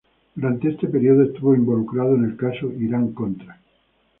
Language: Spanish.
Durante este periodo estuvo involucrado en el caso Irán-Contra.